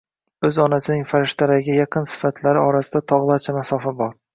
o'z onasining farishtalarga yaqin sifatlari orasida tog'larcha masofa bor.